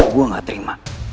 gua gak terima